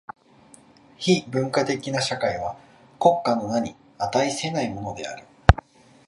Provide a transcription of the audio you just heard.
非文化的な社会は国家の名に価せないものである。